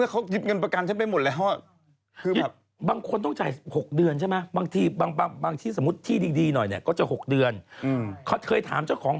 เขาคิดเท่าไหร่จุดละร้อยมั้ง